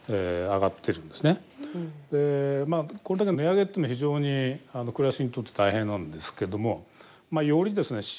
まあこれだけ値上げっていうのは非常に暮らしにとって大変なんですけどもより深刻なのが電力の安定供給